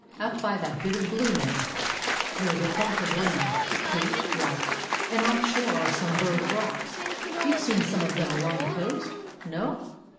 Out by that bit of blue, now, there 's a point of land; a cape, like; and offshore are some bird rocks — you 've seen some of them along the coast? No?